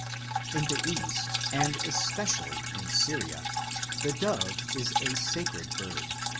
In the East, and especially in Syria, the dove is a sacred bird